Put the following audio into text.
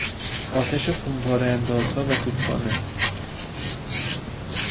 آتش خمپارهاندازها و توپخانه